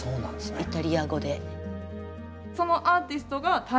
イタリア語で。